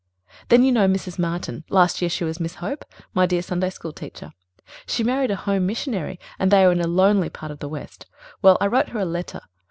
"Then you know Mrs. Martin ... last year she was Miss Hope, my dear Sunday School teacher. She married a home missionary, and they are in a lonely part of the west. Well, I wrote her a letter.